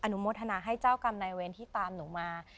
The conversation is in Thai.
นุโมทนาให้เจ้ากรรมนายเวรที่ตามหนูมา